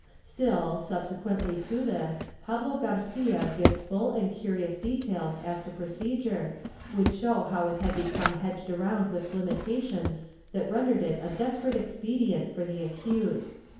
Still, subsequently to this, Pablo Garcia gives full and curious details as to procedure, which show how it had become hedged around with limitations that rendered it a desperate expedient for the accused.